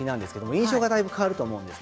印象がだいぶ変わると思います。